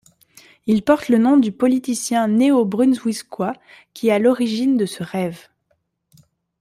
Il porte le nom du politicien néo-brunswickois qui est à l'origine de ce rêve.